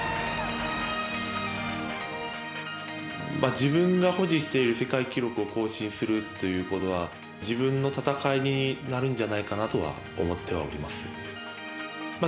自分が保持している世界記録を更新するということは自分の戦いになるんじゃないかなとは思ってはおります。